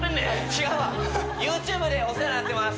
違うわＹｏｕＴｕｂｅでお世話になってます